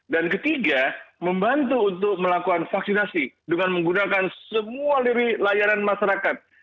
dan ketiga membantu untuk melakukan vaksinasi dengan menggunakan semua lirik layanan masyarakat